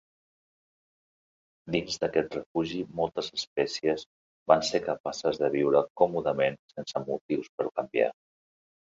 Dins d'aquest refugi moltes espècies van ser capaces de viure còmodament sense motius per canviar.